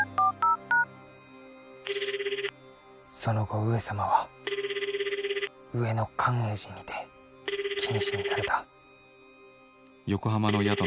その後上様は上野寛永寺にて謹慎された。